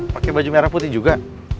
pakai baju merah putih juga